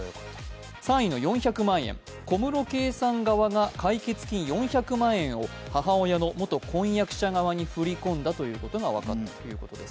３位の４００万円、小室圭さん側が４００万円を母親の元婚約者側に振り込んだことが分かったということです。